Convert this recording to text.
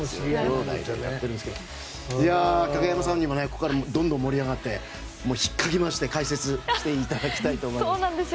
影山さんにも、ここからどんどん盛り上がって引っかき回して解説をしていただきたいと思います。